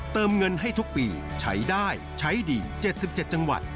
เติมเงินให้ทุกปีใช้ได้ใช้ดี๗๗จังหวัด